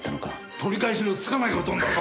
取り返しのつかない事になるぞ。